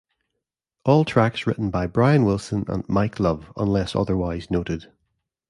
All tracks written by Brian Wilson and Mike Love, unless otherwise noted.